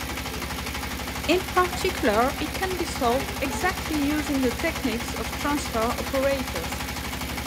In particular, it can be solved exactly using the techniques of transfer operators.